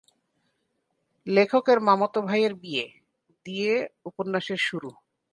লেখকের মামাতো ভাইয়ের বিয়ে দিয়ে উপন্যাসের শুরু।